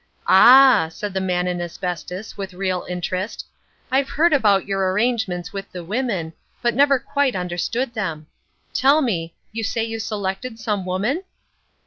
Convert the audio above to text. "Ah," said the Man in Asbestos, with real interest. "I've heard about your arrangements with the women, but never quite understood them. Tell me; you say you selected some woman?"